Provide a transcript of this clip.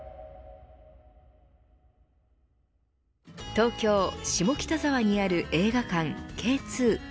東京・下北沢にある映画館Ｋ２。